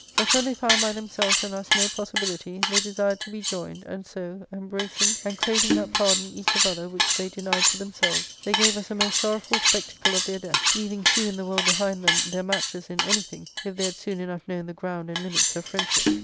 But when they found by themselves and us no possibility, they desired to be joined, and so, embracing and craving that pardon each of other which they denied to themselves, they gave us a most sorrowful spectacle of their death, leaving few in the world behind them their matches in anything if they had soon enough known the ground and limits of friendship.